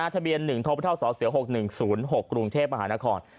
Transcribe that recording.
ทะเบียน๑ทพศ๖๑๐๖กรุงเทพมหานคร